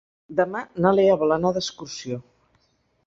Demà na Lea vol anar d'excursió.